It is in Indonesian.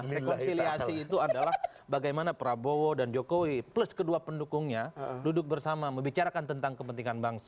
rekonsiliasi itu adalah bagaimana prabowo dan jokowi plus kedua pendukungnya duduk bersama membicarakan tentang kepentingan bangsa